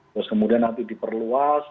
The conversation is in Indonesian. terus kemudian nanti diperluas